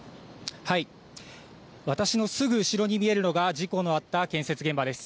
私のすぐ後ろに見えるのが事故のあった建設現場です。